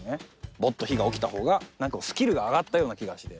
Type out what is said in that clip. ボッと火が起きた方がスキルが上がったような気がして。